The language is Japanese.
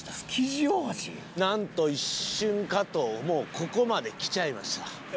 なんと一瞬加藤もうここまで来ちゃいました。